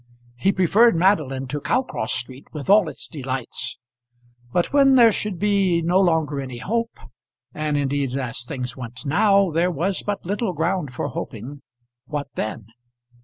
He preferred Madeline to Cowcross Street with all its delights. But when there should be no longer any hope and indeed, as things went now, there was but little ground for hoping what then?